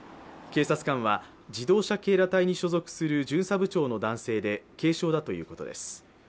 警察官は自動車警ら隊に所属する巡査部長の男性で軽傷だということです。